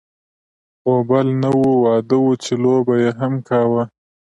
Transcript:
غوبل نه و، واده و چې لو به یې هم کاوه.